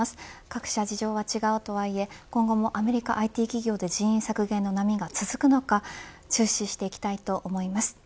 各社事情は違うとはいえ今後もアメリカＩＴ企業で人員削減の波が続くのか注視していきたいと思います。